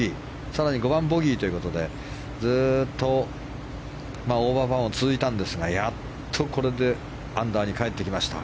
更に５番もボギーということでずっとオーバーパーが続いたんですがやっとこれでアンダーに帰ってきました